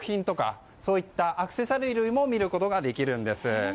ここでは、装飾品とかアクセサリー類も見ることができるんです。